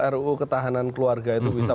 ruu ketahanan keluarga itu bisa